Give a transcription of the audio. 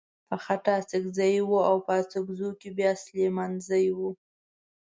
په خټه اڅکزی و او په اڅګزو کې بيا سليمانزی و.